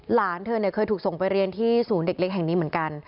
หลานเธอเคยถูกส่งไปเรียนที่ศูนย์เด็กเล็กแห่งนี้เหมือนกัน